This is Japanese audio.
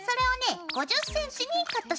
５０ｃｍにカットします。